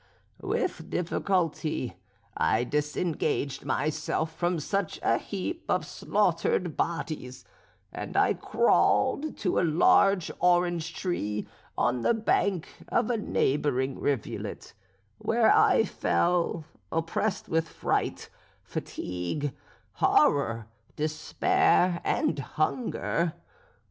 "With difficulty I disengaged myself from such a heap of slaughtered bodies, and crawled to a large orange tree on the bank of a neighbouring rivulet, where I fell, oppressed with fright, fatigue, horror, despair, and hunger.